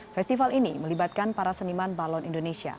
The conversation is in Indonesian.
festival ini melibatkan para seniman balon indonesia